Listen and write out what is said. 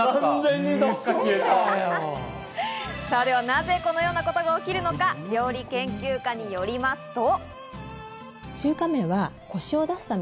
なぜこのようなことが起きるのか料理研究家によりますと。